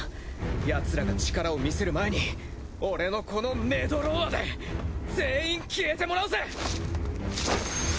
ヤツらが力を見せる前に俺のこのメドローアで全員消えてもらうぜ！